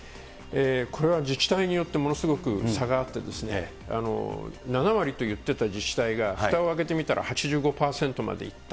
これは自治体によってものすごく差があって、７割と言ってた自治体がふたを開けてみたら８５％までいった。